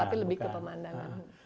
tapi lebih ke pemandangan